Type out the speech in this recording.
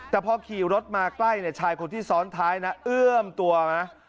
แต่พอขี่รถมาใกล้ชายคนที่ซ้อนท้ายนะเอื้อมตัวนะ